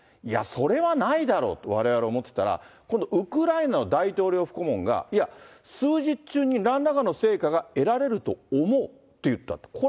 いや、それはないだろうとわれわれ思ってたら、今度ウクライナの大統領府顧問が、いや、数日中に、なんらかの成果が得られると思うと言ったと。